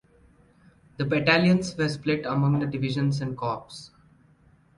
The battalions were split among the divisions and corps.